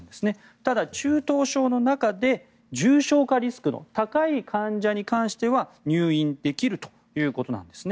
ただ、中等症の中で重症化リスクの高い患者に関しては入院できるということなんですね。